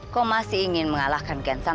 kau masih ingin mengalahkan gensai